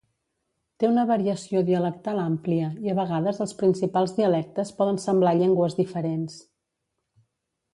Té una variació dialectal àmplia, i a vegades els principals dialectes poden semblar llengües diferents.